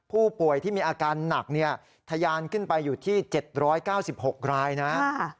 ผู้ป่วยที่มีอาการหนักทะยานขึ้นไปอยู่ที่๗๙๖รายนะ